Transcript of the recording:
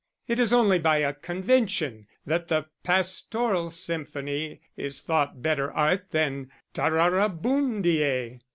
It is only by a convention that the Pastoral Symphony is thought better art than Tarara boom deay.